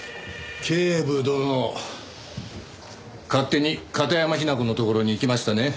警部殿勝手に片山雛子のところに行きましたね？